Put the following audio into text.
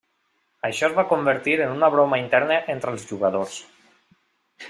Això es va convertir en una broma interna entre els jugadors.